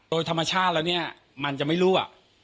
โดยธรรมชาติแล้วเนี่ยมันจะไม่รั่ว